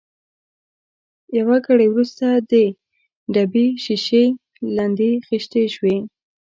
یو ګړی وروسته د ډبې شېشې لندې خېشتې شوې.